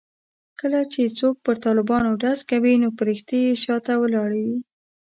کله چې څوک پر طالبانو ډز کوي نو فرښتې یې شا ته ولاړې وي.